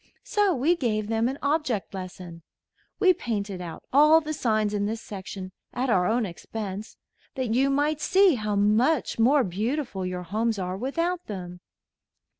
So we gave them an object lesson. We painted out all the signs in this section at our own expense, that you might see how much more beautiful your homes are without them.